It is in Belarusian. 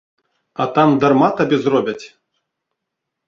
А там дарма табе зробяць?